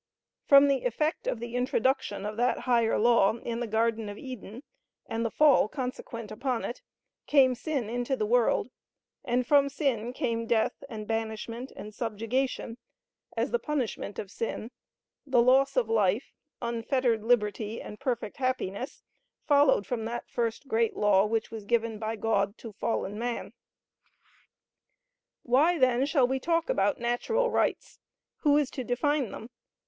From the effect of the introduction of that higher law in the garden of Eden, and the fall consequent upon it, came sin into the world; and from sin came death and banishment and subjugation, as the punishment of sin; the loss of life, unfettered liberty, and perfect happiness followed from that first great law which was given by God to fallen man. Why, then, shall we talk about natural rights? Who is to define them?